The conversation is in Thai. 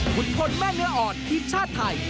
ผุดผลแม่เนื้ออดทีมชาติไทย